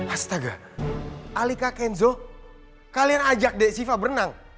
astaga alika kenzo kalian ajak deh syifa berenang